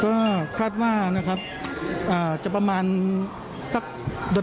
ก็คุยกันผ่าโซเชียลตะล้อน